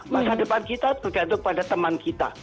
masa depan kita bergantung pada teman kita